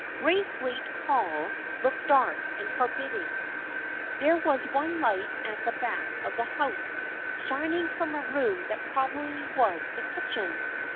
Braithwaite Hall looked dark and forbidding. There was one light at the back of the house, shining from a room that probably was the kitchen.